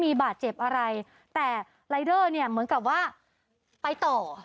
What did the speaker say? มีบาดเจ็บอะไรแต่รายเดอร์เนี่ยเหมือนกับว่าไปต่อค่ะ